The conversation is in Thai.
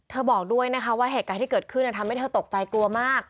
บอกด้วยนะคะว่าเหตุการณ์ที่เกิดขึ้นทำให้เธอตกใจกลัวมาก